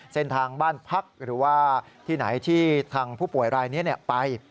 เส้นทางบ้านพักหรือว่าที่ไหนที่ทางผู้ป่วยรายนี้ไป